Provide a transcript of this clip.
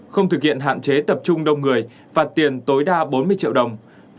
không thực hiện hạn chế tập trung đông người phạt tiền tối đa bốn mươi triệu đồng